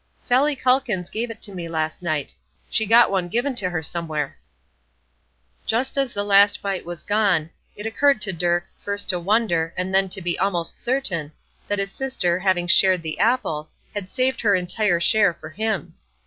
"Sally Calkins gave it to me last night. She got one give to her somewhere." Just as the last bite was gone, it occurred to Dirk, first to wonder, and then to be almost certain, that his sister, having shared the apple, had saved her entire share for him.